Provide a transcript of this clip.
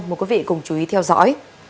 mời quý vị cùng chú ý theo dõi